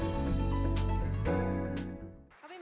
yes pepangan ini please care